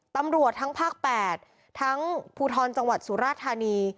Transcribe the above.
ตำรวจทั้งภาค๘ทั้งภูทรจังหวัดสุราธานี